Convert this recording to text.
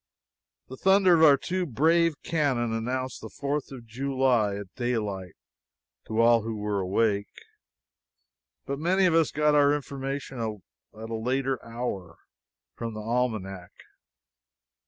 The thunder of our two brave cannon announced the Fourth of July, at daylight, to all who were awake. But many of us got our information at a later hour, from the almanac.